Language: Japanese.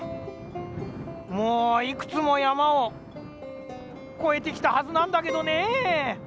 もういくつもやまをこえてきたはずなんだけどねぇ。